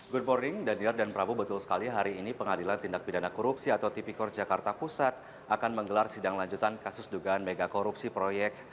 good morning daniel dan prabu betul sekali hari ini pengadilan tindak pidana korupsi atau tipikor jakarta pusat akan menggelar sidang lanjutan kasus dugaan megakorupsi proyek